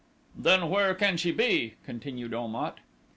"Then where can she be?" continued Om at.